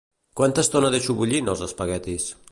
Quanta estona deixo bullint els espaguetis?